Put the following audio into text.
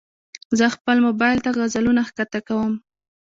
زه خپل موبایل ته غزلونه ښکته کوم.